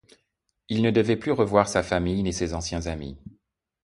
Il ne devait plus revoir sa famille ni ses anciens amis.